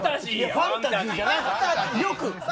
ファンタジーじゃない。